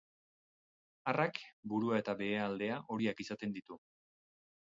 Arrak burua eta behealdea horiak izaten ditu.